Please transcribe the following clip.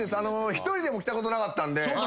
１人でも来たことなかったんで。